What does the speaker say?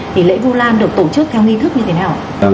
thì lễ vu lan được tổ chức theo nghi thức như thế nào